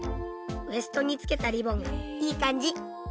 ウエストにつけたリボンがいい感じ！